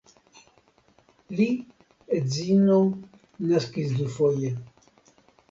Li edzino naskis dufoje.